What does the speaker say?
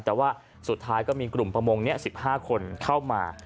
แต่ว่าสุดท้ายก็มีกลุ่มประมงนี้๑๕คนเข้ามา